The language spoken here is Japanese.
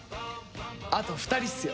あと２人っすよ。